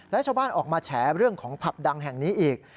และชาวบ้านออกมาแฉเรื่องของผับดังแห่งนี้อีก